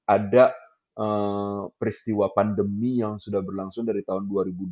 ada peristiwa pandemi yang sudah berlangsung dari tahun dua ribu dua puluh